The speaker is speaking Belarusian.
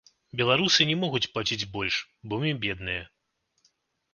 Беларусы не могуць плаціць больш, бо мы бедныя.